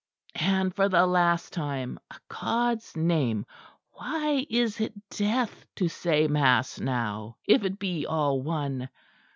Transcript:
And for the last time, a God's name, why is it death to say mass now, if it be all one?